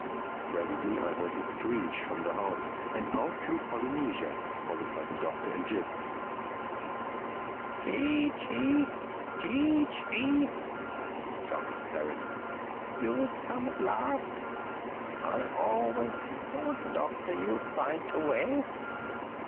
Presently I heard a screech from the house, and out flew Polynesia, followed by the Doctor and Jip. "Chee Chee!—Chee Chee!" shouted the parrot. "You've come at last! I always told the Doctor you'd find a way.